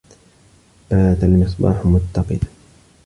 بَاتَ الْمِصْبَاحُ مُتَّقِدًا.